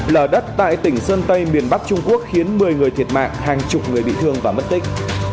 lở đất tại tỉnh sơn tây miền bắc trung quốc khiến một mươi người thiệt mạng hàng chục người bị thương và mất tích